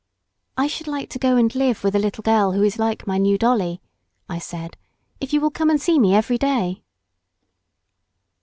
"I should like to go and live with the little girl who is like my new dollie," I said, "if you will come and see me every day."